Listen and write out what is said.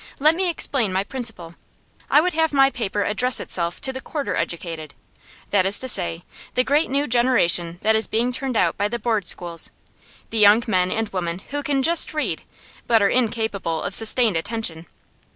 Let me explain my principle. I would have the paper address itself to the quarter educated; that is to say, the great new generation that is being turned out by the Board schools, the young men and women who can just read, but are incapable of sustained attention.